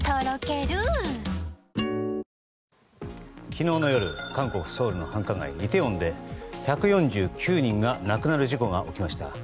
昨日の夜、韓国ソウルの繁華街イテウォンで１４９人が亡くなる事故が起きました。